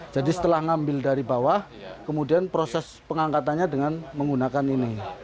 jadi setelah ngambil dari bawah kemudian proses pengangkatannya dengan menggunakan ini